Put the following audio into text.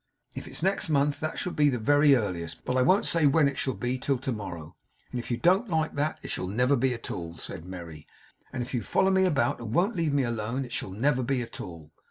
'If it's next month, that shall be the very earliest; but I won't say when it shall be till to morrow; and if you don't like that, it shall never be at all,' said Merry; 'and if you follow me about and won't leave me alone, it shall never be at all.